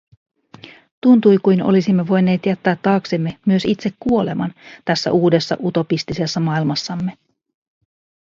Tuntui kuin olisimme voineet jättää taaksemme myös itse kuoleman tässä uudessa utopistisessa maailmassamme.